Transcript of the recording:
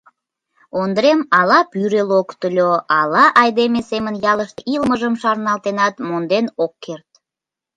Ондрем ала пӱрӧ локтыльо, ала айдеме семын ялыште илымыжым шарналтенат, монден ок керт.